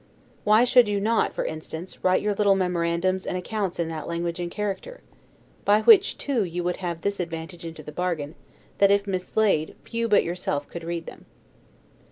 Why should you not (for instance) write your little memorandums and accounts in that language and character? by which, too, you would have this advantage into the bargain, that, if mislaid, few but yourself could read them.